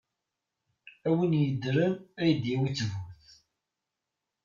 A wi yeddren ad d-yawi ttbut.